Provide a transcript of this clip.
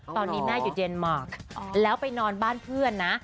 ตอนนี้แม่อยู่เย็นหมอกแล้วไปนอนบ้านเพื่อนนะ